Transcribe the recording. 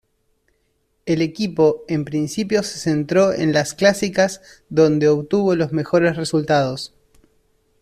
El equipo en principio se centró en las clásicas donde obtuvo los mejores resultados.